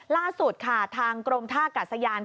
ล่าสุดค่ะทางกรมท่ากาศยาน